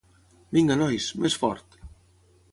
Vinga, nois, més fort!